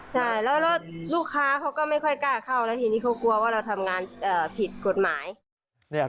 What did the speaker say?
ใช่แล้วลูกค้าเขาก็ไม่ค่อยกล้าเข้าแล้วทีนี้เขากลัวว่าเราทำงานผิดกฎหมาย